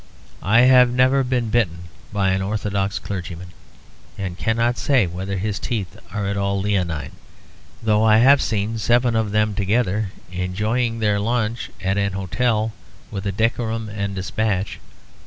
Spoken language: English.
I have never been bitten by an Orthodox clergyman, and cannot say whether his teeth are at all leonine; though I have seen seven of them together enjoying their lunch at an hotel with decorum and dispatch.